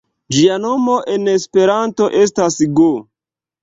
Ĝia nomo en Esperanto estas go.